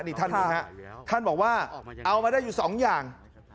นี่ท่านนี้ฮะท่านบอกว่าเอามาได้อยู่สองอย่าง